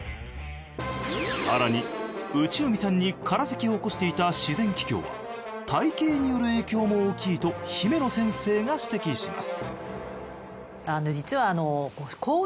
更に内海さんにからせきを起こしていた自然気胸は体型による影響も大きいと姫野先生が指摘します